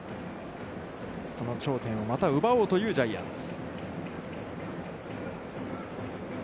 その頂点をまた奪おうというジャイアンツ。